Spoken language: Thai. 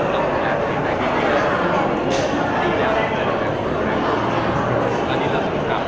ตอนนี้ล่ะครับ